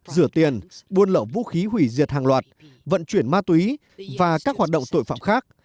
rửa tiền buôn lậu vũ khí hủy diệt hàng loạt vận chuyển ma túy và các hoạt động tội phạm khác